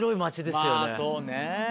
そうね。